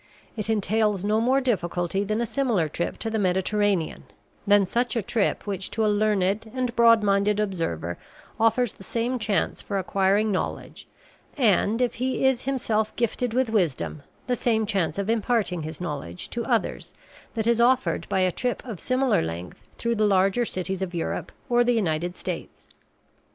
It entails no more difficulty than a similar trip to the Mediterranean than such a trip which to a learned and broad minded observer offers the same chance for acquiring knowledge and, if he is himself gifted with wisdom, the same chance of imparting his knowledge to others that is offered by a trip of similar length through the larger cities of Europe or the United States.